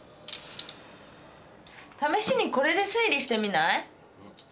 試しにこれで推理してみない？